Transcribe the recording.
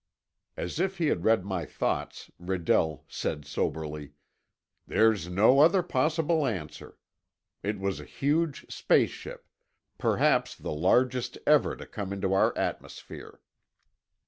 As if he had read my thoughts, Redell said soberly, "There's no other possible answer. It was a huge space ship—perhaps the largest ever to come into our atmosphere."